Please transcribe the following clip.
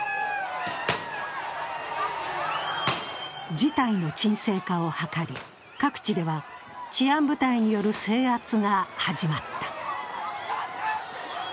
事態の鎮静化を図り、各地では、治安部隊による制圧が始まった。